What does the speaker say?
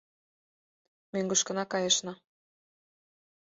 Мӧҥгышкына кайышна: